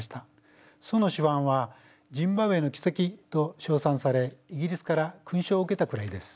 その手腕はジンバブエの奇跡と称賛されイギリスから勲章を受けたくらいです。